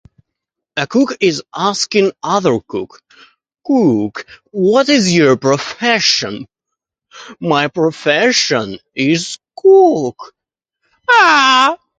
"A cook is asking other cook, ""Cook, what is your profession? My profession is cook."" Ahh."